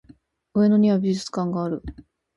上野には美術館がある